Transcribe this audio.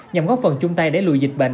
nhằm góp phần chung tay để lùi dịch bệnh